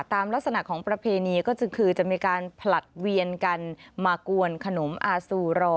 ตามลักษณะของประเพณีก็คือจะมีการผลัดเวียนกันมากวนขนมอาซูรอ